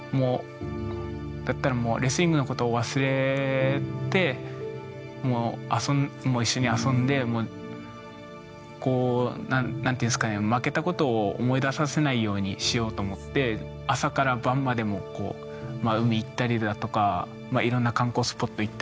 だったらもうレスリングのことを忘れて一緒に遊んでこう何て言うんですかね負けたことを思い出させないようにしようと思って朝から晩まで海行ったりだとかいろんな観光スポット行ったりとか。